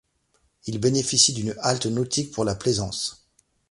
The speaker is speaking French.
Il bénéficie d'une halte nautique pour la plaisance.